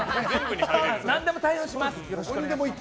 何でも対応します。